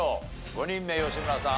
５人目吉村さん